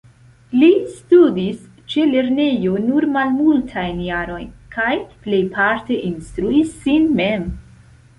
Li studis ĉe lernejo nur malmultajn jarojn, kaj plejparte instruis sin mem.